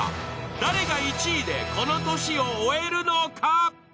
誰が１位でこの年を終えるのか？